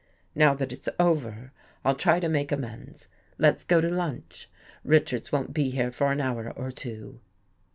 Now that it's over I'll try to make amends. Let's go to lunch. Richards won't be here for an hour or two."